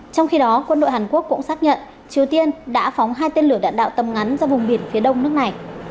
trong khi đó quân đội hàn quốc cũng xác nhận triều tiên đã phóng hai tên lửa đạn đạo tầm ngắn ra vùng biển phía đông nước này